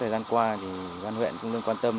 thời gian qua thì gian huyện cũng đương quan tâm